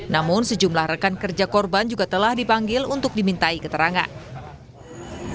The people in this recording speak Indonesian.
namun sejumlah rekan kerja korban juga telah dipanggil untuk dimintai keterangan